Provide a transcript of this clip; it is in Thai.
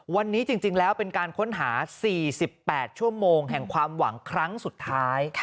วันนี้จริงแล้วเป็นการค้นหา๔๘ชั่วโมงแห่งความหวังครั้งสุดท้าย